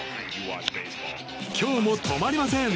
今日も止まりません。